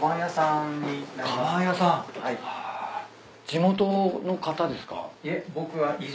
地元の方ですか？